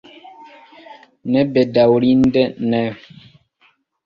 Ne, bedaŭrinde ne.